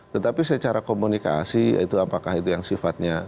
tetapi secara komunikasi yaitu apakah itu yang sifatnya